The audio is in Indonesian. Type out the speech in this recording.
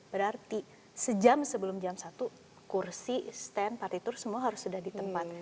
berarti sejam sebelum jam satu kursi stand partitur semua harus sudah di tempat